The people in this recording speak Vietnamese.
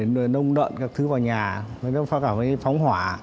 nông đợn các thứ vào nhà nó có cảm thấy phóng hỏa